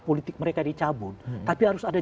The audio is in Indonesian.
politik mereka dicabut tapi harus ada